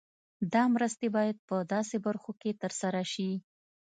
دا مرستې باید په داسې برخو کې تر سره شي.